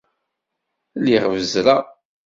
Lliɣ bezzreɣ.